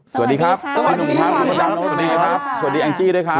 สวัสดีครับสวัสดีครับสวัสดีครับสวัสดีครับสวัสดีแองจี้ด้วยครับ